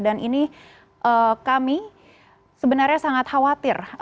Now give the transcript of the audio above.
ini kami sebenarnya sangat khawatir